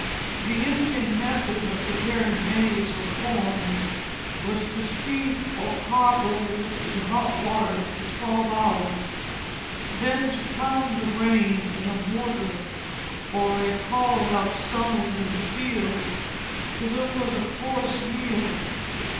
The Indian method of preparing maize or corn was to steep or parboil it in hot water for twelve hours, then to pound the grain in a mortar or a hollowed stone in the field, till it was a coarse meal.